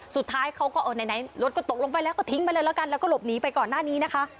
สุดท้ายเขาก็เออไหนรถก็ตกลงไปแล้วก็ทิ้งไปเลยแล้วกันแล้วก็หลบหนีไปก่อนหน้านี้นะคะ